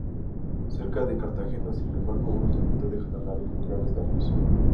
Cerca de Cartagena, sin embargo, una tormenta deja la nave con graves daños.